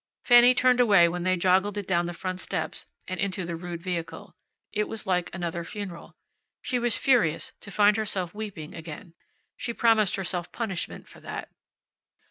Fanny turned away when they joggled it down the front steps and into the rude vehicle. It was like another funeral. She was furious to find herself weeping again. She promised herself punishment for that.